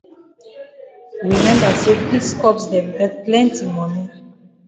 We memba say peace corps dem get plenti moni.